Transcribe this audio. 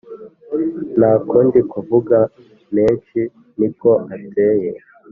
Ntakunda kuvuga menshi niko ateye